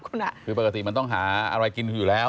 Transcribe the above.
คือปกติมันต้องหาอะไรกินอยู่แล้ว